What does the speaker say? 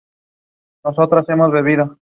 Andrews en Escocia.